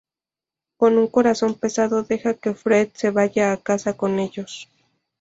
Con un corazón pesado, deja que Fred se vaya a casa con ellos.